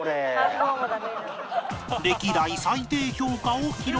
歴代最低評価を記録